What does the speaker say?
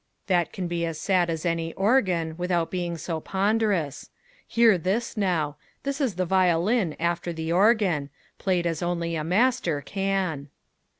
that can be as sad as any organ, without being so ponderous. Hear this, now! This is the violin after the organ played as only a master can!"